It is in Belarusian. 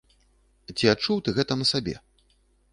Ці адчуў ты гэта на сабе?